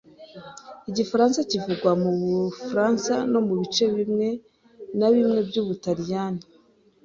Igifaransa kivugwa mu Bufaransa no mu bice bimwe na bimwe by’Ubutaliyani.